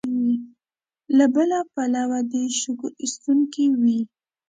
له بل پلوه دې شکر ایستونکی وي.